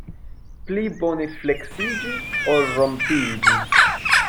Pli bone fleksiĝi, ol rompiĝi.